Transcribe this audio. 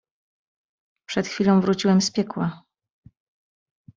"Przed chwilą wróciłem z piekła"